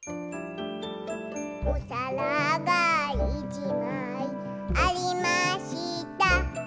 「おさらがいちまいありました」